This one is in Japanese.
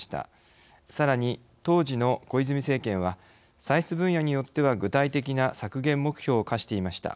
さらに当時の小泉政権は歳出分野によっては具体的な削減目標を課していました。